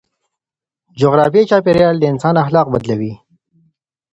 جغرافيايي چاپيريال د انسان اخلاق بدلوي.